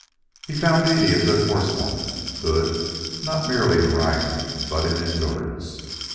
He found Dede a good horsewoman good not merely in riding but in endurance.